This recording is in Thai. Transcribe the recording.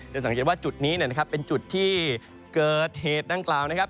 จะสังเกตว่าจุดนี้เป็นจุดที่เกิดเหตุด้านกลาง